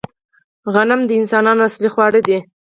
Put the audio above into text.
غنم د انسانانو اصلي خواړه دي